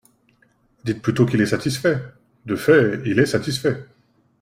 Dites plutôt qu’il est satisfait ! De fait, il est satisfait.